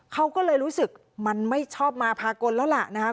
เขาก็เลยรู้สึกมันไม่ชอบมาพากลแล้วล่ะนะครับ